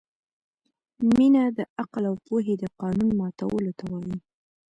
مینه د عقل او پوهې د قانون ماتولو ته وايي.